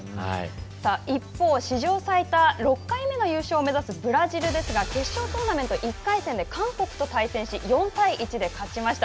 一方、史上最多６回目の優勝を目指すブラジルですが決勝トーナメント１回戦で韓国と対戦し４対１で勝ちました。